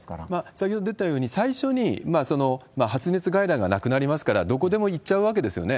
先ほど出たように、最初に発熱外来がなくなりますから、どこでも行っちゃうわけですよね。